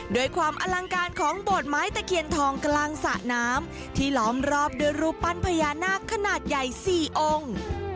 ด้วยความอลังการของโบดไม้ตะเคียนทองกลางสระน้ำที่ล้อมรอบด้วยรูปปั้นพญานาคขนาดใหญ่๔องค์